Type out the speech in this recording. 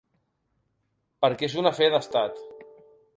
Perquè és un afer d’estat.